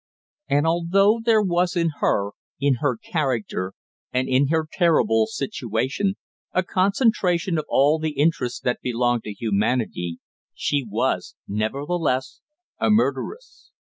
And although there was in her, in her character, and in her terrible situation, a concentration of all the interests that belong to humanity, she was nevertheless a murderess.